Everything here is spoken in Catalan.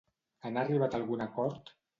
Han arribat a algun acord?